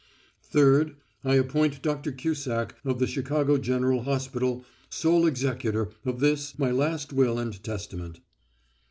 Third: I appoint Dr. Cusack of the Chicago General Hospital sole executor of this, my last will and testament.